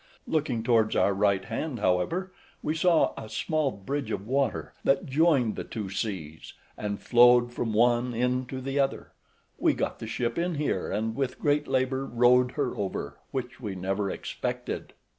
Looking towards our right hand, however, we saw a small bridge of water that joined the two seas, and flowed from one into the other; we got the ship in here, and with great labour rowed her over, which we never expected.